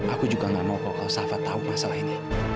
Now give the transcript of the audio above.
aku juga gak mau kalau safa tahu masalah ini